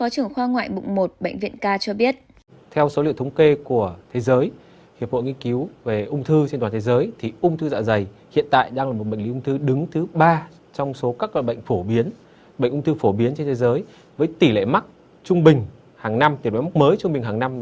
chia sẻ về ung thư dạ dày bác sĩ chuyên khoa hai hà hải nam